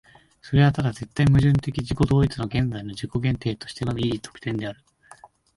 それはただ絶対矛盾的自己同一の現在の自己限定としてのみいい得るのである。